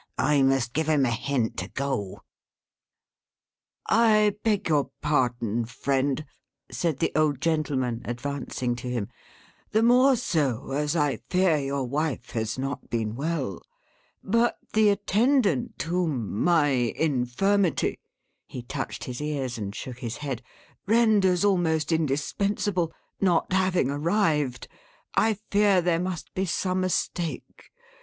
"I must give him a hint to go." "I beg your pardon, friend," said the old gentleman, advancing to him; "the more so, as I fear your wife has not been well; but the Attendant whom my infirmity," he touched his ears and shook his head, "renders almost indispensable, not having arrived, I fear there must be some mistake.